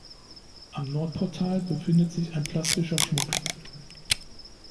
Am Nordportal befindet sich ein plastischer Schmuck.